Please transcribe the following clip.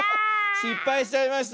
しっぱいしちゃいました。